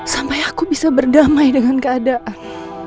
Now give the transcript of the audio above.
sampai aku bisa berdamai dengan keadaan